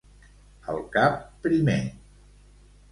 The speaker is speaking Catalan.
Al cap primer.